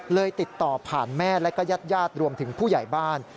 ติดต่อผ่านแม่และก็ญาติญาติรวมถึงผู้ใหญ่บ้าน